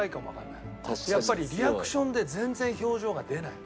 やっぱりリアクションで全然表情が出ない。